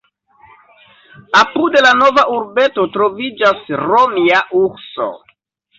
Apud la nova urbeto troviĝas romia "Urso".